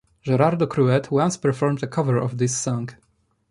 Gerardo Cruet once performed a cover of this song.